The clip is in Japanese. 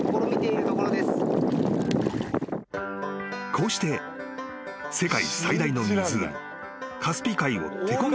［こうして世界最大の湖カスピ海を手こぎ